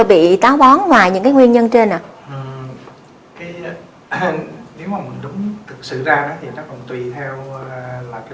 bị cáo bón ngoài những cái nguyên nhân trên à nếu mà mình đúng thực sự ra thì nó còn tùy theo là cái